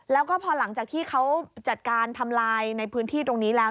แล้วก็พอหลังจากที่เขาจัดการทำลายในพื้นที่ตรงนี้แล้ว